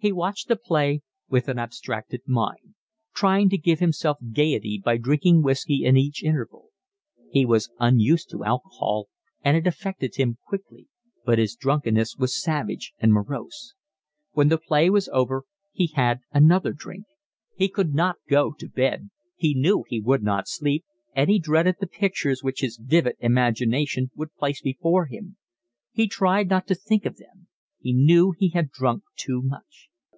He watched the play with an abstracted mind, trying to give himself gaiety by drinking whiskey in each interval; he was unused to alcohol, and it affected him quickly, but his drunkenness was savage and morose. When the play was over he had another drink. He could not go to bed, he knew he would not sleep, and he dreaded the pictures which his vivid imagination would place before him. He tried not to think of them. He knew he had drunk too much.